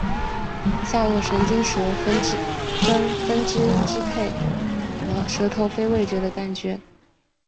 下颌神经舌分支支配了舌头非味觉的感觉